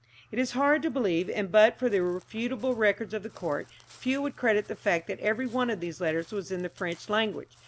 It is hard to believe, and but for the irrefutable records of the Court, few would credit the fact that every one of these letters was in the French language!